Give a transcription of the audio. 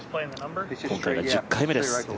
今回が１０回目です。